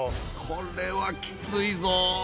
これはきついぞ。